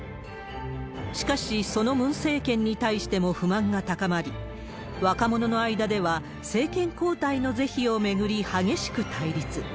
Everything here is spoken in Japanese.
しかし、そのムン政権に対しても不満が高まり、若者の間では、政権交代の是非を巡り、激しく対立。